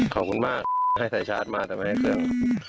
ขอบคุณมากให้สายชาร์จมาแต่ไม่ให้เครื่อง